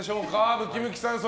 ムキムキさん